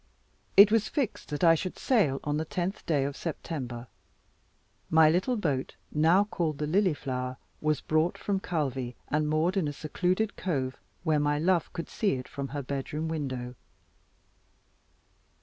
It was fixed that I should sail on the 10th day of September. My little boat, now called the "Lily flower," was brought from Calvi, and moored in a secluded cove, where my love could see it from her bedroom window.